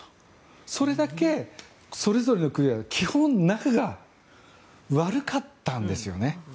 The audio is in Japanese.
それだけ、それぞれの国は基本、仲が悪かったんですよね。